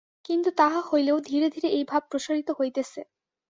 কিন্তু তাহা হইলেও ধীরে ধীরে এই ভাব প্রসারিত হইতেছে।